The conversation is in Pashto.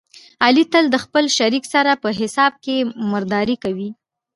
علي تل له خپل شریک سره په حساب کې مردارې کوي.